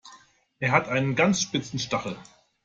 Er hat einen ganz spitzen Stachel.